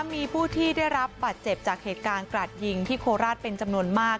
มีผู้ที่ได้รับบาดเจ็บจากเหตุการณ์กราดยิงที่โคราชเป็นจำนวนมาก